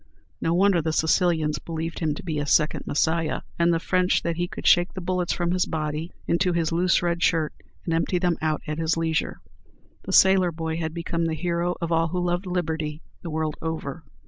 No wonder the Sicilians believed him to be a second Messiah, and the French that he could shake the bullets from his body into his loose red shirt, and empty them out at his leisure! The sailor boy had become the hero of all who loved liberty the world over.